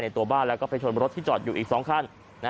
ตัวบ้านแล้วก็ไปชนรถที่จอดอยู่อีก๒คัน